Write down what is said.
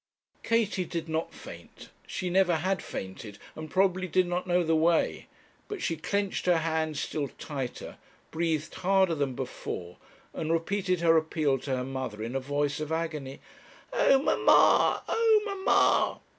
Katie did not faint. She never had fainted, and probably did not know the way; but she clenched her hands still tighter, breathed harder than before, and repeated her appeal to her mother in a voice of agony. 'Oh, mamma! oh, mamma!'